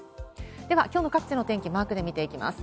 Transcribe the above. では、きょうの各地の天気、マークで見ていきます。